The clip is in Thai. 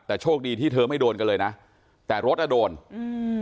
แต่โชคดีที่เธอไม่โดนกันเลยนะแต่รถอ่ะโดนอืม